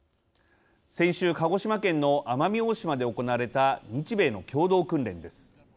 先週、鹿児島県の奄美大島で行われた日米の共同訓練です。